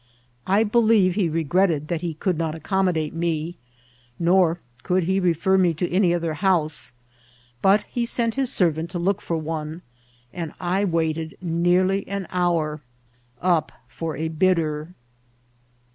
I believe he regretted that he could not acc<Mn modate me, nor could he refer me to any other house ; but he sent his servant to look for one, and I waited nearly an hour, jxp for a bidder.